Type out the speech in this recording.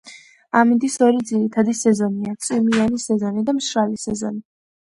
ამინდის ორი ძირითადი სეზონია: წვიმიანი სეზონი და მშრალი სეზონი.